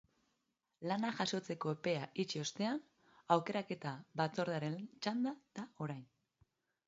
Lanak jasotzeko epea itxi ostean, aukeraketa batzordearen txanda da orain.